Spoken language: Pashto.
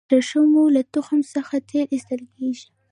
د شړشم له تخم څخه تېل ایستل کیږي